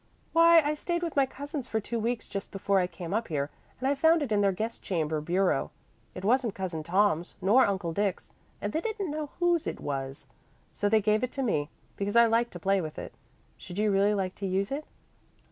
"Why, I stayed with my cousins for two weeks just before I came up here, and I found it in their guest chamber bureau. It wasn't Cousin Tom's nor Uncle Dick's, and they didn't know whose it was; so they gave it to me, because I liked to play with it. Should you really like to use it?"